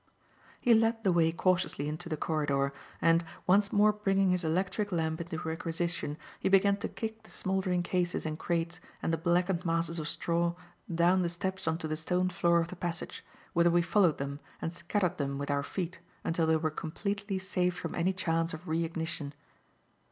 He led the way cautiously into the corridor, and, once more bringing his electric lamp into requisition, began to kick the smouldering cases and crates and the blackened masses of straw down the steps on to the stone floor of the passage, whither we followed them and scattered them with our feet until they were completely safe from any chance of re ignition.